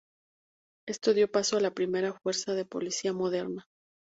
Esto dio paso a la primera fuerza de policía moderna.